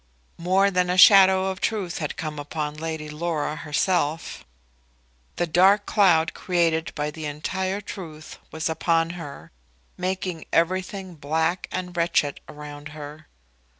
More than a shadow of truth had come upon Lady Laura herself. The dark cloud created by the entire truth was upon her, making everything black and wretched around her.